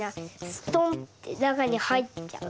ストンッてなかにはいっちゃう。